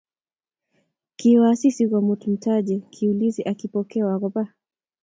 Kiwo Asisi komut mtaje, kiulizi ak Kipokeo akoba